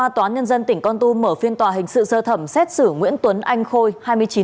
hoa toán nhân dân tỉnh con tum mở phiên tòa hình sự sơ thẩm xét xử nguyễn tuấn anh khôi